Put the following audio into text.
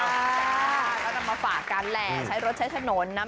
ก็นำมาฝากกันแหละใช้รถใช้ถนนนะ